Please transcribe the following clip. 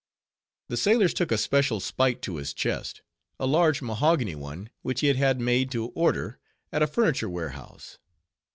The sailors took a special spite to his chest, a large mahogany one, which he had had made to order at a furniture warehouse.